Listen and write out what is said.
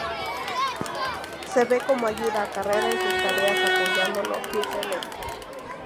Se ve cómo ayuda a Carrera en sus tareas, apoyándolo firmemente.